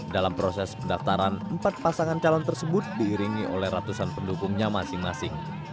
dalam proses pendaftaran empat pasangan calon tersebut diiringi oleh ratusan pendukungnya masing masing